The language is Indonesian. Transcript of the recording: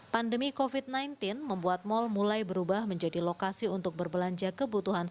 pandemi kofit sembilan belas membuat mal mulai berubah menjadi lokasi untuk berbelanja kebutuhan